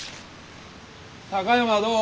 高山はどう？